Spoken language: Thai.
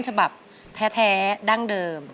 ฉบับแท้ดั้งเดิม